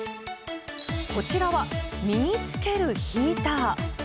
こちらは身につけるヒーター。